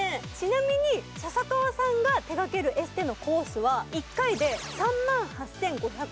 ちなみに笹川さんが手がけるエステのコースは１回で３万８５００円。